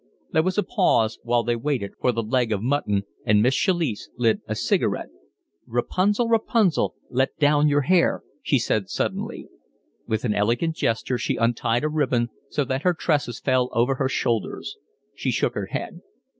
There was a pause while they waited for the leg of mutton, and Miss Chalice lit a cigarette. "Rapunzel, Rapunzel, let down your hair," she said suddenly. With an elegant gesture she untied a ribbon so that her tresses fell over her shoulders. She shook her head.